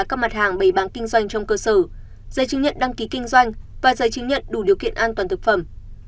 các mặt hàng bày bán kinh doanh trong cơ sở giấy chứng nhận đăng ký kinh doanh và giấy chứng nhận đủ điều kiện an toàn thực phẩm